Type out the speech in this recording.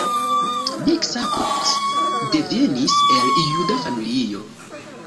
Miksa Bruck devenis el juda familio.